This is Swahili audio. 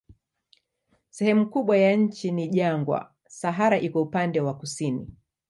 Sehemu kubwa ya nchi ni jangwa, Sahara iko upande wa kusini.